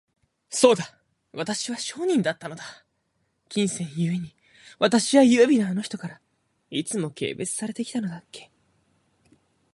そうだ、私は商人だったのだ。金銭ゆえに、私は優美なあの人から、いつも軽蔑されて来たのだっけ。